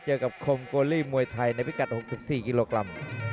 เจอกับคมโกลีมวยไทยในพิกัด๖๔กิโลกรัม